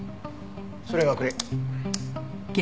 それがこれ。